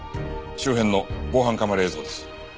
周辺の防犯カメラ映像です。